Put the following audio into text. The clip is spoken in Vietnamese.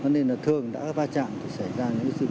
nên là thường đã va chạm xảy ra